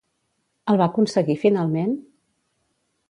El va aconseguir finalment?